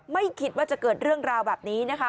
ไม่คิดว่าจะเกิดเรื่องราวแบบนี้นะคะ